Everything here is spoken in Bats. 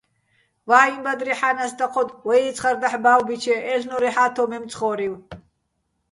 ვაიჼ ბადრი ჰ̦ა́ნას დაჴოდო̆ ვაჲ იცხარ დაჰ̦ ბა́ვბიჩე - აჲლ'ნო́რ ეჰ̦ა́თ ო მემცხო́რივ.